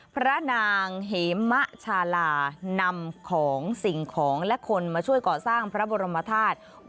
พระนางเหมะชาลานำของสิ่งของและคนมาช่วยก่อสร้างพระบรมธาตุ